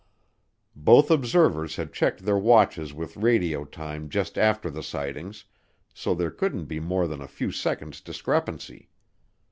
Both observers had checked their watches with radio time just after the sightings, so there couldn't be more than a few seconds' discrepancy.